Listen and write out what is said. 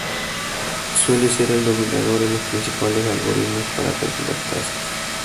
Suele ser el denominador en los principales algoritmos para calcular tasas.